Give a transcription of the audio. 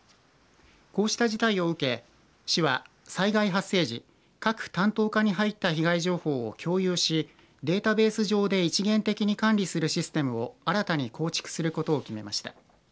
こうした事態を受け、市は災害発生時、各担当課に入った被害情報を共有しデータベース上で一元的に管理するシステムを新たに構築することを決めました。